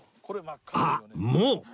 あっもう！